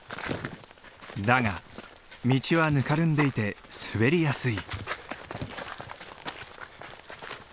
だが道はぬかるんでいて滑りやすい。